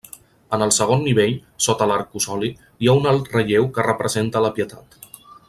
En el segon nivell, sota l'arcosoli, hi ha un alt relleu que representa la Pietat.